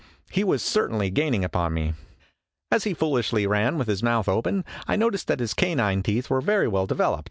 He was certainly gaining upon me. As he foolishly ran with his mouth open, I noticed that his canine teeth were very well developed ''=!